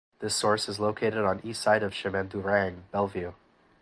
This source is located on east side of Chemin du Rang Bellevue.